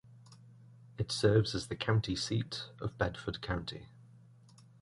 It serves as the county seat of Bedford County.